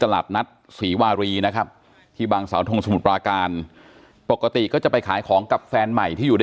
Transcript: ตามที่พี่เข้าใจแหละว่าเขาไปเที่ยว